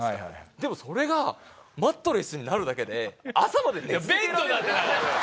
でもそれがマットレスになるだけで朝まで寝続けられる。